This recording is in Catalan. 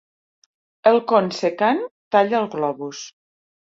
El con secant talla el globus.